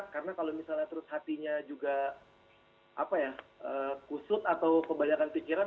karena kalau misalnya terus hatinya juga kusut atau kebanyakan pikiran